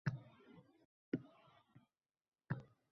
Unda, nega bular birdan... shariatpesha bo‘lib qoldi?